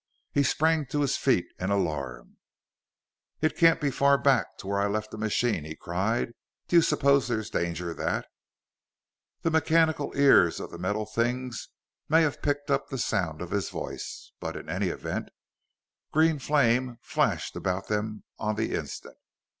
He sprang to his feet in alarm. "It can't be far back to where I left the machine," he cried. "Do you suppose there's danger that " The mechanical ears of the metal things may have picked up the sound of his voice: but in any event, green flame flashed about them on the instant.